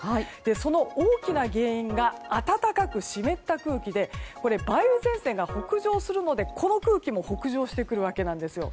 その大きな原因が暖かく湿った空気でこれは、梅雨前線が北上してくるのでこの空気も北上してくるわけなんですよ。